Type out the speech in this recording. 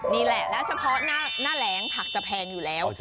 นี่แหละแล้วเฉพาะหน้าแหลงผักจะแพงอยู่แล้ว